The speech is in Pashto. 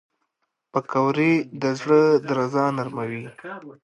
پکورې د زړه درزا نرموي